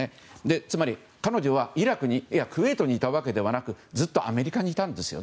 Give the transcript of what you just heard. つまり、彼女はクウェートにいたわけではなくずっとアメリカにいたんです。